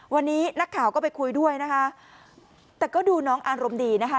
วันนี้นักข่าวก็ไปคุยด้วยนะคะแต่ก็ดูน้องอารมณ์ดีนะคะ